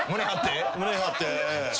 胸張って。